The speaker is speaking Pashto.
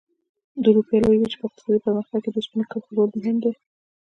د اروپا لویې وچې په اقتصادي پرمختګ کې د اوسپنې کرښو رول مهم دی.